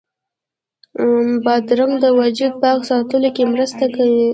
بادرنګ د وجود پاک ساتلو کې مرسته کوي.